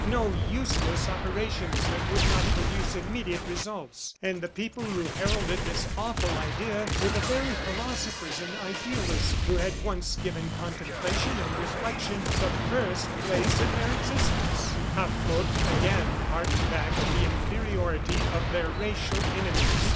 ... No useless operations that would not produce immediate results. ... And the people who heralded this awful idea were the very philosophers and idealists who had once given contemplation and reflection the first place in their existence! ... Hartrott again harked back to the inferiority of their racial enemies.